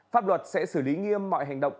pháp luật sẽ xử lý nghiêm mọi hành động